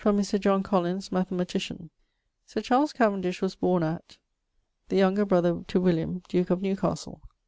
(From Mr. John Collins, mathematician: ) Sir Charles Cavendish[BV] was borne at ..., the younger brother to William, duke of Newcastle.